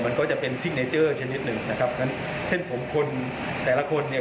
มันก็จะเป็นชนิดหนึ่งนะครับฉะนั้นเส้นผมคนแต่ละคนเนี้ย